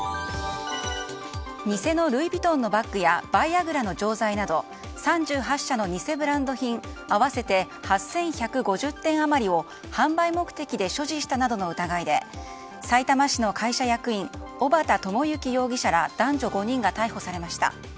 偽のルイ・ヴィトンのバッグやバイアグラの錠剤など３８社の偽ブランド品合わせて８１５０点余りを販売目的で所持したなどの疑いでさいたま市の会社役員小幡知之容疑者ら男女５人が逮捕されました。